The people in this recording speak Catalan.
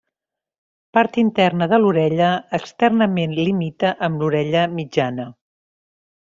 Part interna de l'orella, externament limita amb l'orella mitjana.